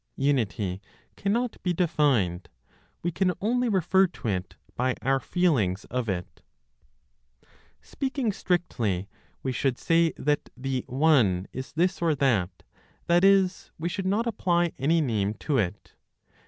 UNITY CANNOT BE DEFINED; WE CAN ONLY REFER TO IT BY OUR FEELINGS OF IT. Speaking strictly, we should say that the One is this or that (that is, we should not apply any name to it).